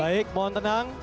baik mohon tenang